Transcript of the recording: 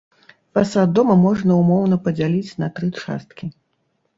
Фасад дома можна ўмоўна падзяліць на тры часткі.